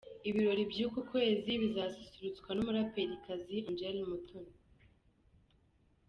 Ibirori by'uku kwezi bizasusurutswa n'umuraperikazi Angel Mutoni.